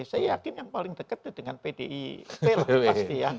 saya yakin yang paling dekat itu dengan pdip lah pasti ya